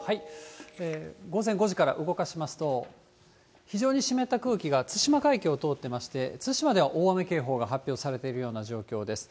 午前５時から動かしますと、非常に湿った空気が対馬海峡を通ってまして、対馬では大雨警報が発表されているような状況です。